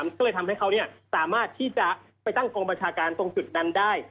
ก็เลยทำให้เขาสามารถที่จะไปตั้งกองบัญชาการตรงจุดนั้นได้